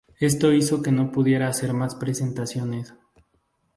Esto hizo que no pudiera hacer más presentaciones.